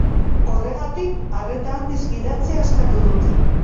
Horregatik, arreta handiz gidatzea eskatu dute.